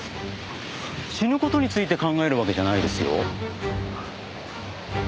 死ぬ事について考えるわけじゃないですよ。